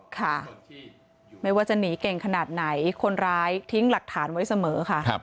ค่ะไม่ว่าจะหนีเก่งขนาดไหนคนร้ายทิ้งหลักฐานไว้เสมอค่ะ